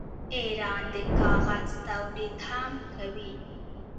ایران د کاغذ تولید هم کوي.